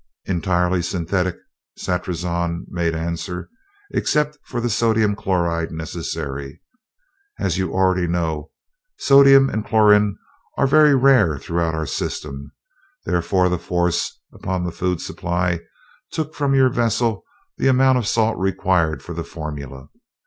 "Entirely synthetic," Satrazon made answer, "except for the sodium chloride necessary. As you already know, sodium and chlorin are very rare throughout our system, therefore the force upon the food supply took from your vessel the amount of salt required for the formula.